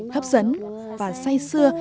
hấp dẫn và say xưa